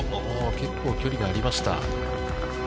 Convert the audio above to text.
結構距離がありました。